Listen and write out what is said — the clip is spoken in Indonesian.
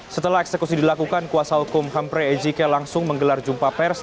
setelah eksekusi dilakukan kuasa hukum hampre ejike langsung menggelar jumpa pers